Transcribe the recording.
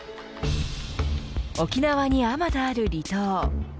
沖縄にあまたある離島